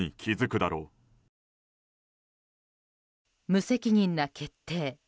無責任な決定。